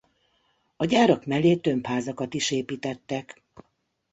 A gyárak mellé tömbházakat is építettek.